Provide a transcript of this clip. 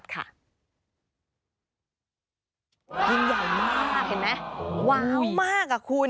ยิ่งใหญ่มากเห็นไหมว้าวมากคุณ